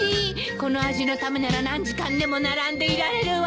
この味のためなら何時間でも並んでいられるわ！